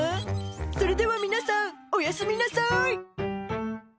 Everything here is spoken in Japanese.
「それでは皆さんおやすみなさい」